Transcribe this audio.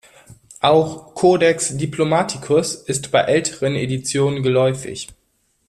Auch "Codex diplomaticus" ist bei älteren Editionen geläufig.